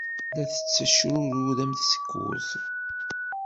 La d-tettecrurud am tsekkurt.